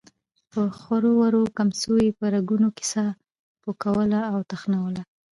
په خورو ورو کمڅو يې په رګونو کې ساه پوکوله او تخنوله.